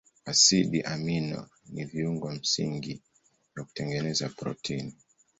Asidi amino ni viungo msingi vya kutengeneza protini.